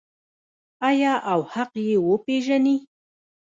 آیا او حق یې وپیژني؟